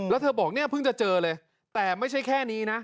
แล้วเธอบอกเนี่ยเพิ่งจะเจอเลยแต่ไม่ใช่แค่นี้นะ